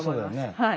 はい。